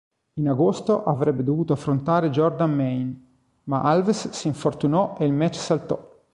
In agosto avrebbe dovuto affrontare Jordan Mein, ma Alves s'infortunò ed il match saltò.